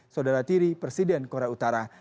saudara tiri presiden korea utara